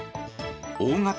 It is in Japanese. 大型